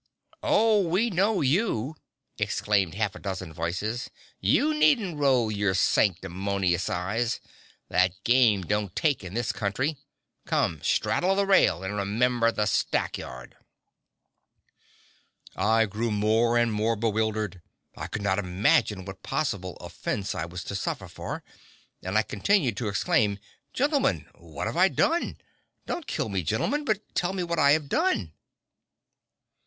"Oh, we know you," exclaimed half a dozen voices; "you needn't roll your sanctimonious eyes; that game don't take in this country. Come, straddle the rail, and remember the stack yard!" I grew more and more bewildered; I could not imagine what possible offence I was to suffer for, and I continued to exclaim, "Gentlemen, what have I done? Don't kill me, gentlemen, but tell me what I have done."